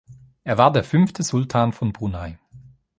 Er war der fünfte Sultan von Brunei.